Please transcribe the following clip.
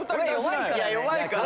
いや弱いから。